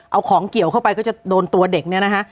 เอาของเกี่ยวเข้าไปก็จะโดนตัวเด็กเนี่ยนะฮะ